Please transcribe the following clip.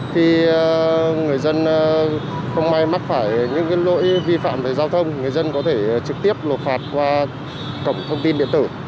khi người dân không may mắc phải những lỗi vi phạm về giao thông người dân có thể trực tiếp lột phạt qua cổng thông tin điện tử